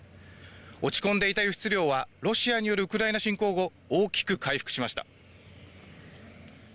落ち込んでいた輸出量はロシアによるウクライナ侵攻後大きく回復しました。